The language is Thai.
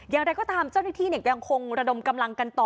อย่างไรก็ตามเจ้าหน้าที่ยังคงระดมกำลังกันต่อ